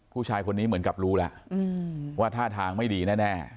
ผู้ชายคนนี้เหมือนกับรู้แล้วว่าท่าทางไม่ดีแน่